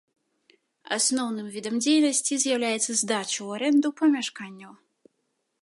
Асноўным відам дзейнасці з'яўляецца здача ў арэнду памяшканняў.